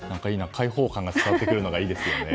解放感が伝わってくるのがいいですよね。